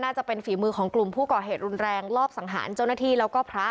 จะเป็นฝีมือของกลุ่มผู้ก่อเหตุรุนแรงรอบสังหารเจ้าหน้าที่แล้วก็พระ